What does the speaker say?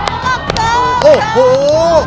สรรเพชรสรรสุพรรณครับ